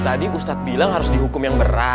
tadi ustadz bilang harus dihukum yang berat